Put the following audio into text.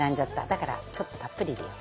だからちょっとたっぷり入れよう。